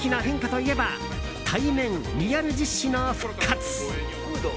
今年ならではの大きな変化といえば対面、リアル実施の復活。